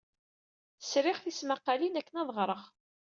Sriɣ tismaqqalin akken ad ɣreɣ.